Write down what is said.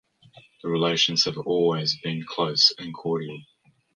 The relations have always been close and cordial.